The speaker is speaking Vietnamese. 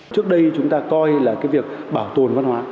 trước đây chúng ta coi là cái việc bảo tồn văn hóa